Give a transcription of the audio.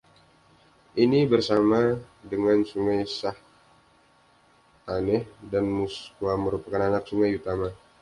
Ini, bersama dengan Sungai Sahtaneh dan Muskwa merupakan anak sungai utama.